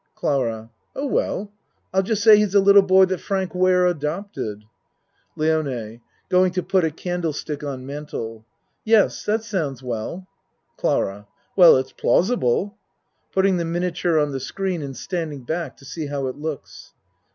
CLARA Oh, well, I'll just say he's a little boy that Frank Ware adopted. LIONE (Going to put a candle stick on mantel.) Yes, that sounds well. CLARA Well, it's plausible. (Putting the mina ture on the screen and standing back to see how it looks.)